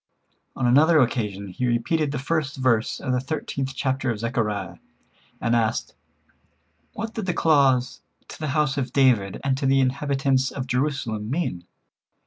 On another occasion he repeated the first verse of the thirteenth chapter of Zechariah, and asked: "What did the clause 'To the house of David and to the inhabitants of Jerusalem' mean?"